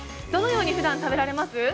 どのようにふだん食べられます？